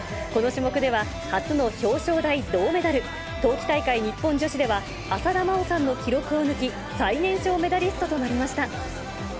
この種目では、初の表彰台銅メダル。冬季大会日本女子では、浅田真央さんの記録を抜き、最年少メダリストとなりました。